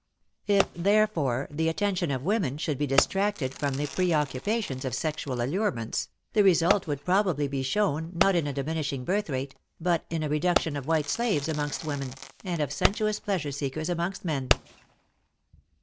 If, therefore, the attention of women should be distracted from the pre occupations of sexual allurements, the result WAR AND WOMEN 223 would probably be shown, not in a diminishing birth rate, but in a reduction of white slaves amongst women, and of sensuous pleasure seekers amongst men.